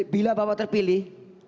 bila bapak terpilih